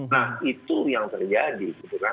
nah itu yang terjadi